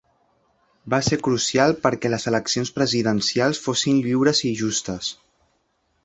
Va ser crucial perquè les eleccions presidencials fossin lliures i justes.